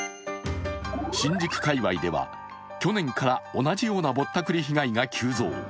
新宿界わいでは去年から同じようなぼったくりが急増。